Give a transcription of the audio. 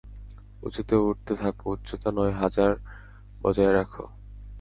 উঁচুতে উঠতে থাকো, উচ্চতা নয় হাজার বজায় রাখো।